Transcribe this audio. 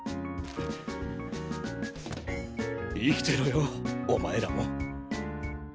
生きてろよお前らも。